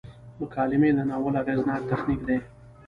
مکالمې د ناول اغیزناک تخنیک دی.